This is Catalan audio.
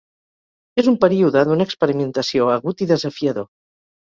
És un període d'una experimentació agut i desafiador.